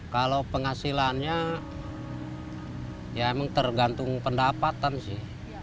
kalau penghasilannya ya emang tergantung pendapatan sih